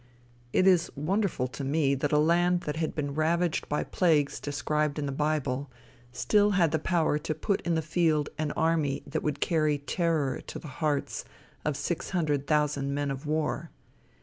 It is wonderful to me that a land that had been ravaged by the plagues described in the bible, still had the power to put in the field an army that would carry terror to the hearts of six hundred thousand men of war.